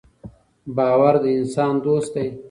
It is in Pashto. باور د انسان دوست دی.